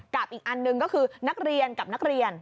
อีกอันหนึ่งก็คือนักเรียนกับนักเรียน